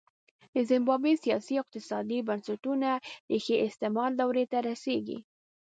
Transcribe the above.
د زیمبابوې سیاسي او اقتصادي بنسټونو ریښې استعمار دورې ته رسېږي.